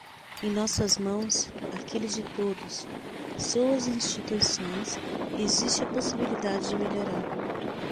Em nossas mãos, aqueles de todos, pessoas e instituições, existe a possibilidade de melhorar.